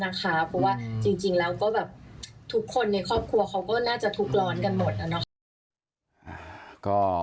เพราะว่าจริงแล้วก็แบบทุกคนในครอบครัวเขาก็น่าจะทุกข์ร้อนกันหมดนะคะ